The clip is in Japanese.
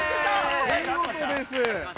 ◆お見事です。